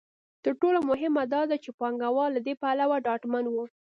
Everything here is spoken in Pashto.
تر ټولو مهمه دا ده چې پانګوال له دې پلوه ډاډمن وو.